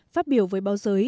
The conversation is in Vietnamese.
phát biểu với báo giới